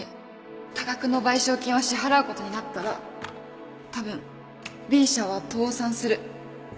多額の賠償金を支払うことになったらたぶん Ｂ 社は倒産する